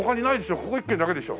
ここ１軒だけでしょ？